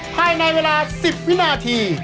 ภายในเวลา๑๐วินาที